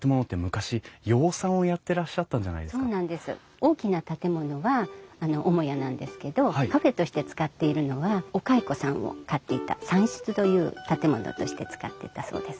大きな建物はあの母屋なんですけどカフェとして使っているのはお蚕さんを飼っていた蚕室という建物として使ってたそうです。